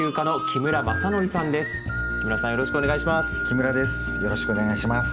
木村さんよろしくお願いします。